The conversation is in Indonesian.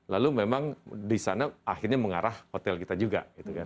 lalu memang di sana akhirnya mengarah hotel kita juga